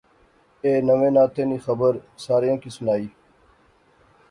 ایہہ ناوے ناطے نی خبر ساریاں کی سنائی